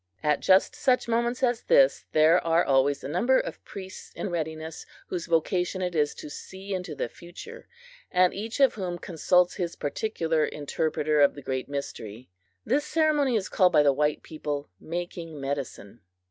At just such moments as this there are always a number of priests in readiness, whose vocation it is to see into the future, and each of whom consults his particular interpreter of the Great Mystery. (This ceremony is called by the white people "making medicine.")